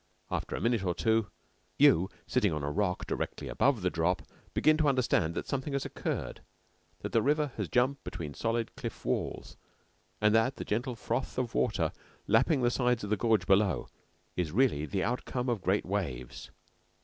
After a minute or two, you, sitting upon a rock directly above the drop, begin to understand that something has occurred; that the river has jumped between solid cliff walls, and that the gentle froth of water lapping the sides of the gorge below is really the outcome of great waves.